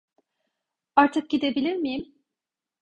Artık gidebilir miyim?